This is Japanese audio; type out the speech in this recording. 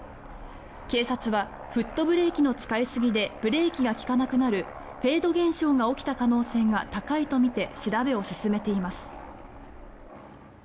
警察はフットブレーキの使いすぎでブレーキが利かなくなるフェード現象が起きた可能性が高いとみて調べを進めています。